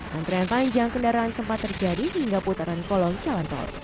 antrean panjang kendaraan sempat terjadi hingga putaran kolong jalan tol